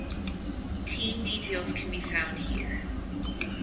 Team details can be found here.